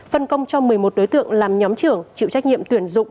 phân công cho một mươi một đối tượng làm nhóm trưởng chịu trách nhiệm tuyển dụng